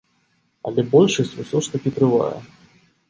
Але большасць усё ж такі трывае.